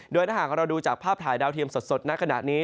โดยถ้าหากเราดูจากภาพถ่ายดาวเทียมสดณขณะนี้